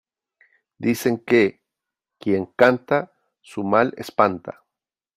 dicen que ... quien canta , su mal espanta .